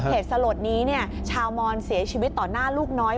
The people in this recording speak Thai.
เหตุสลดนี้ชาวมอนเสียชีวิตต่อหน้าลูกน้อย